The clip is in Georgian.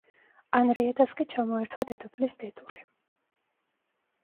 ანრიეტას კი ჩამოერთვა დედოფლის ტიტული.